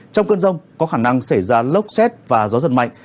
trong cơn rông có khả năng xảy ra lốc xét và gió giật mạnh